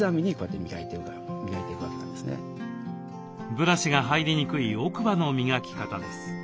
ブラシが入りにくい奥歯の磨き方です。